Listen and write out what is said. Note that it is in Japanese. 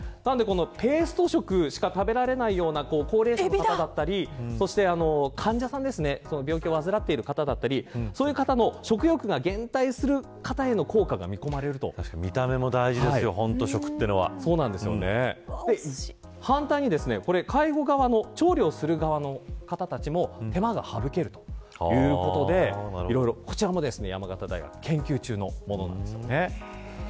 ペースト食しか食べられないような高齢者の方だったり患者さん病気を患っている方だったりそういう方の食欲が減退する方への効果が食というのは反対に介護側の調理をする側の方たちも手間が省けるということでこちらも山形大学が研究中のものです。